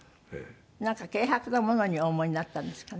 なんか軽薄なものにお思いになったんですかね？